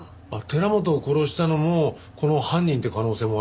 寺本を殺したのもこの犯人って可能性もあるもんね。